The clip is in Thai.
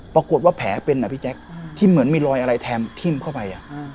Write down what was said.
ปรากฏว่าแผลเป็นอ่ะพี่แจ็คที่เหมือนมีรอยอะไรแทมน์ทิ้มเข้าไปอ่ะอืม